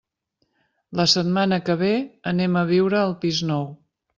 La setmana que ve anem a viure al pis nou.